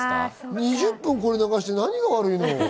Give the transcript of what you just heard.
２０分、これを流して何が悪いの？